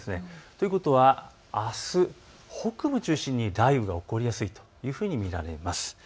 ということは、あす北部を中心に雷雨が起こりやすいというふうに見られます。